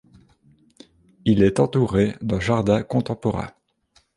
Il est entouré d'un jardin contemporain.